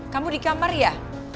kamu di kamar ya